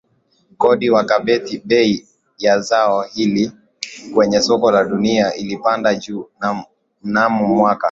kodi wakati bei ya zao hili kwenye soko la dunia ilipanda juu Mnamo mwaka